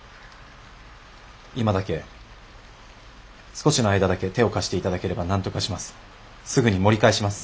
今だけ少しの間だけ手を貸して頂ければなんとかします。